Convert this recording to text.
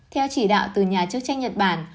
theo chỉ đạo từ nhà chức trách nhật bản